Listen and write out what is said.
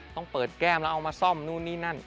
ต้องเปิดแก้มแล้วเอามาซ่อมนู่นนี่นั่น